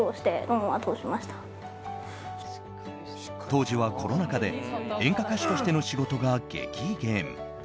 当時はコロナ禍で演歌歌手としての仕事が激減。